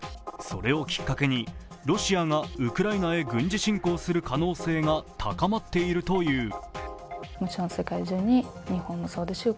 それをきっかけに、ロシアがウクライナへ軍事侵攻する可能性が高まっているという。